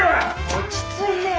落ち着いてよ